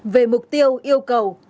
về mục tiêu yêu cầu